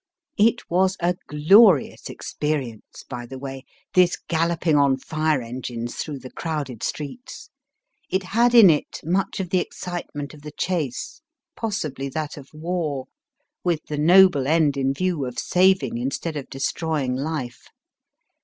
It was a glorious experience, by the way, this galloping on fire engines through the crowded streets. It had in it much of the excitement of the chase possibly that of war with the noble end in view of saving instead of destroying life